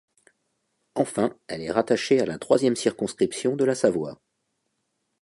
Enfin, elle est rattachée à la troisième circonscription de la Savoie.